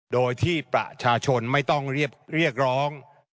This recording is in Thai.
โดยที่ประชาชนไม่ต้องเรียกร้อง